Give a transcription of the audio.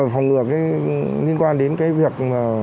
phòng ngược liên quan đến cái việc